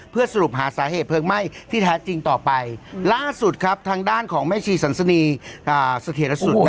เพื่อสรุปหาสาเหตุเพิ่งไม่ที่แท้จริงต่อไปล่าสุดครับทางด้านของแม่ชีสันสนีสเทรสุทธิ์นะครับ